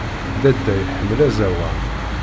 Dadda iḥemmel aẓawan.